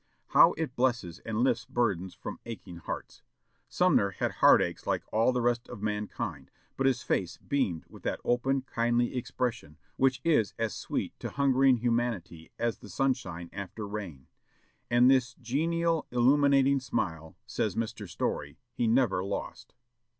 How it blesses and lifts burdens from aching hearts! Sumner had heart aches like all the rest of mankind, but his face beamed with that open, kindly expression which is as sweet to hungering humanity as the sunshine after rain. And this "genial illuminating smile," says Mr. Story, "he never lost."